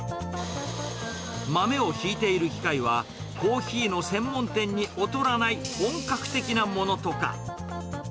豆をひいている機械は、コーヒーの専門店に劣らない本格的なものとか。